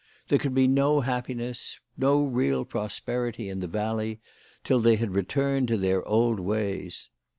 There could be no happiness, no real prosperity in the valley, till they had returned to their old ways.